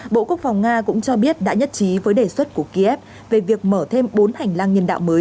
bộ quốc phòng nga cũng cho biết đã nhất trí với đề xuất của kiev về việc mở thêm bốn hành lang nhân đạo mới